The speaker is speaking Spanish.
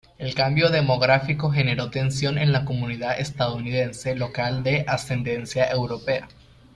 El cambio demográfico generó tensión en la comunidad estadounidense local de ascendencia europea.